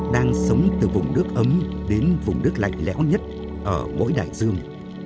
đang sống từ vùng nước ấm đến vùng nước lạnh lẽo nhất ở mỗi đại dương